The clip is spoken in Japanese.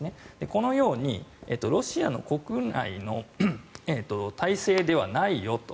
このようにロシアの国内の大勢ではないよと。